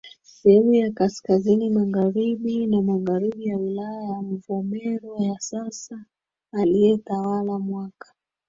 sehemu ya Kaskazini Magharibi na Magharibi ya wilaya ya Mvomero ya sasa aliyetawala mwaka